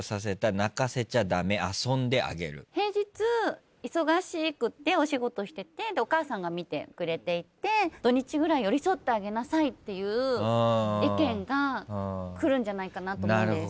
平日忙しくてお仕事しててお母さんが見てくれていて土日ぐらい寄り添ってあげなさいっていう意見がくるんじゃないかなと思うんです。